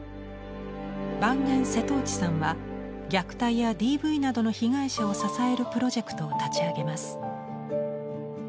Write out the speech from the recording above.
晩年、瀬戸内さんは虐待やＤＶなどの被害者を支えるプロジェクトを立ち上げます。